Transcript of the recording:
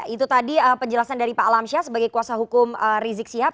itu tadi penjelasan dari pak alam syah sebagai kuasa hukum rizik siap